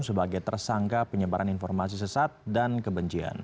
sebagai tersangka penyebaran informasi sesat dan kebencian